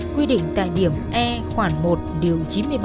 quy định tại điểm e khoảng một điều chín mươi bảy